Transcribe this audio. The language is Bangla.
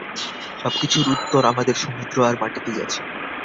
সবকিছুর উত্তর আমাদের সমুদ্র আর মাটিতেই আছে।